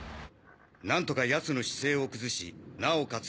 何とか奴の姿勢を崩しなおかつ